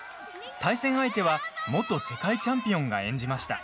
対戦相手は元世界チャンピオンが演じました。